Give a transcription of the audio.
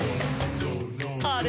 「あれ？